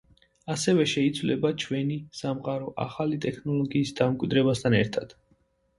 ასევე შეიცვლება ჩვენი სამყარო ახალი ტექნოლოგიის დამკვიდრებასთან ერთად.